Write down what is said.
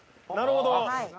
「なるほど」